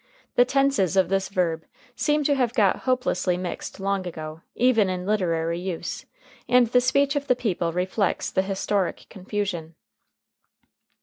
The tenses of this verb seem to have got hopelessly mixed long ago, even in literary use, and the speech of the people reflects the historic confusion.